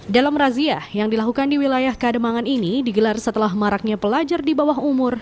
dalam razia yang dilakukan di wilayah kademangan ini digelar setelah maraknya pelajar di bawah umur